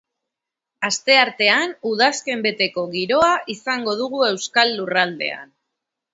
Asteartean udazken beteko giroa izango dugu euskal lurraldean.